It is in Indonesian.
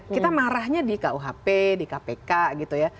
kita marahnya di kuhp di kpk gitu ya